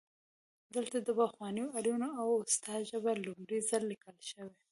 دلته د پخوانیو آرینو د اوستا ژبه لومړی ځل لیکل شوې